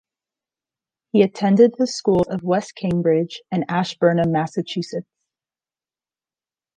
He attended the schools of West Cambridge and Ashburnham, Massachusetts.